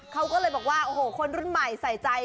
เขาก็เลยบอกว่าโอ้โหคนรุ่นใหม่ใส่ใจ